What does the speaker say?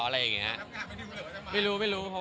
แล้วรับงานไปดูเหลือหรือเปล่า